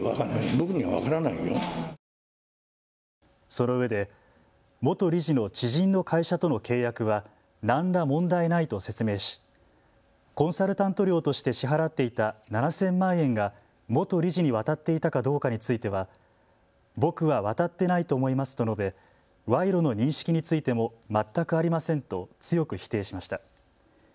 そのうえで元理事の知人の会社との契約は何ら問題ないと説明しコンサルタント料として支払っていた７０００万円が元理事に渡っていたかどうかについては僕は渡ってないと思いますと述べ賄賂の認識についても全くありませんと強く否定しました。